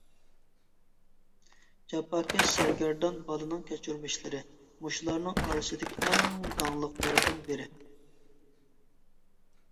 «جاپاكەش سەرگەردان بالىنىڭ كەچۈرمىشلىرى» مۇشۇلارنىڭ ئارىسىدىكى ئەڭ داڭلىقلىرىدىن بىرى.